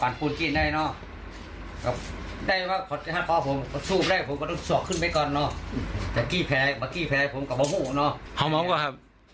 ผมกลับมาพูดกันเอาเมาท์ก่อนครับ